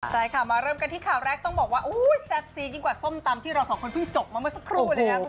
ใช่ค่ะมาเริ่มกันที่ข่าวแรกต้องบอกว่าแซ่บซีดยิ่งกว่าส้มตำที่เราสองคนเพิ่งจบมาเมื่อสักครู่เลยนะ